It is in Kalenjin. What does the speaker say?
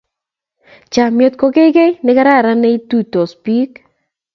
chamyet ko kei ne kararan neitutos pik